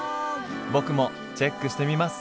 僕もチェックしてみます！